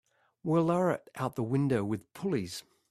We'll lower it out of the window with pulleys.